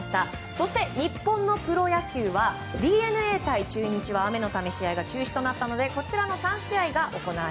そして、日本のプロ野球はＤｅＮＡ対中日は雨のため試合が中止となりこちらの３試合です。